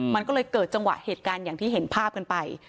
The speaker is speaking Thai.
มันก็เลยเกิดจังหวะเหตุการณ์อย่างที่เห็นภาพกันไป